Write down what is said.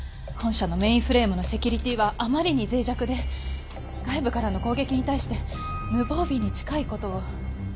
本社のメインフレームのセキュリティーはあまりに脆弱で外部からの攻撃に対して無防備に近い事を。